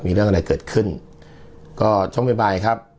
มีเรื่องอะไรเกิดขึ้นก็ช่วงบ่ายครับ